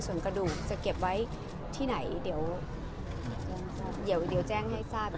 ส่วนกระดูกจะเก็บไว้ที่ไหนเดี๋ยวแจ้งให้ทราบ